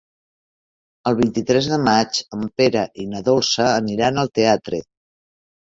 El vint-i-tres de maig en Pere i na Dolça aniran al teatre.